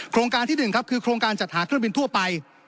โครงการที่๑ครับคือโครงการจัดหาเครื่องบินทั่วไป